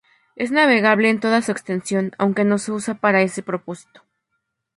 Es navegable en toda su extensión, aunque no se usa para ese propósito.